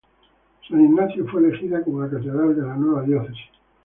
San Ignacio fue elegida como la catedral de la nueva diócesis.